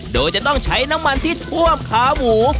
โดยจะต้องใช้น้ำมันที่ท่วมขาหมู